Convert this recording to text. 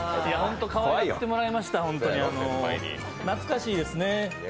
かわいがってもらいました、本当に懐かしいですね。